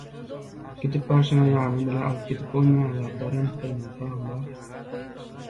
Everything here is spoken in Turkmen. Gidip barşyňa ýanyň bilen alyp gidip bolmaýan zatlaram, gynansagam bar.